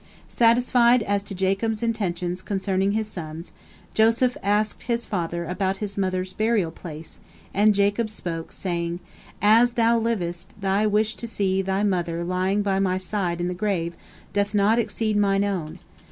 Satisfied as to Jacob's intentions concerning his sons, Joseph asked his father about his mother's burial place, and Jacob spoke, saying: "As thou livest, thy wish to see thy mother lying by my side in the grave doth not exceed mine own.